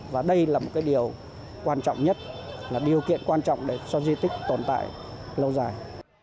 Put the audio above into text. và đây là một điều quan trọng nhất là điều kiện quan trọng để cho di tích tồn tại lâu dài